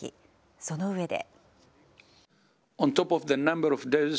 その上で。